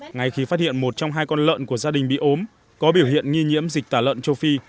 ngay khi phát hiện một trong hai con lợn của gia đình bị ốm có biểu hiện nghi nhiễm dịch tả lợn châu phi